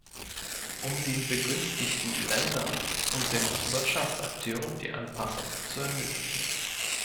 Um den begünstigten Ländern und den Wirtschaftsakteuren die Anpassung zu ermöglichen.